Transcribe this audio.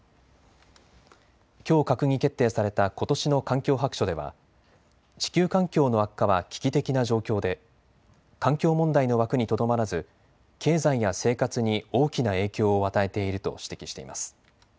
きょう閣議決定されたことしの環境白書では地球環境の悪化は危機的な状況で環境問題の枠にとどまらず経済や生活に大きな影響を与えていると指摘しています。